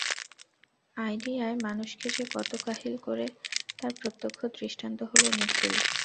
আইডিয়ায় মানুষকে যে কত কাহিল করে তার প্রত্যক্ষ দৃষ্টান্ত হল নিখিল।